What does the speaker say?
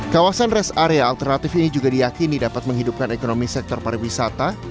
kawasan rest area alternatif ini juga diakini dapat menghidupkan ekonomi sektor pariwisata